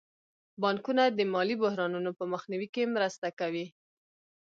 بانکونه د مالي بحرانونو په مخنیوي کې مرسته کوي.